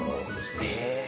へえ！